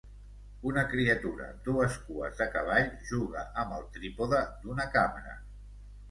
Una criatura amb dues cues de cavall juga amb el trípode d'una càmera.